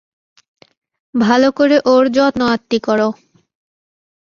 ভালো করে ওর যত্নআপ্তি করো!